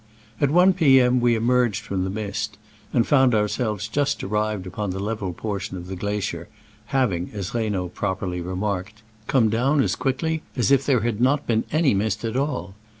About I p. M. .we emerged from the mist, and found ourselves just arrived upon the level portion of the glacier, having, as Reynaud properly remarked, come down as quickly as if there had not been any mist at all.